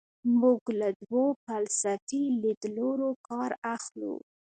موږ له دوو فلسفي لیدلورو کار اخلو.